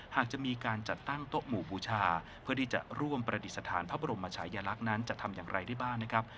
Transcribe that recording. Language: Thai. หากจะมีการจัดตั้งโต๊ะหมู่บูชาเพื่อที่จะร่วมประดิษฐานพระบรมชายลักษณ์นั้นจะทำอย่างไรได้บ้างนะครับ